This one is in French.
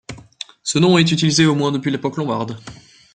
Ce nom est utilisé au moins depuis l'époque lombarde.